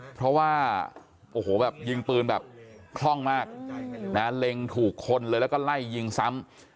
เพราะว่าโอ้โหแบบยิงปืนแบบคล่องมากนะเล็งถูกคนเลยแล้วก็ไล่ยิงซ้ำ